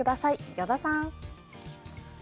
依田さん。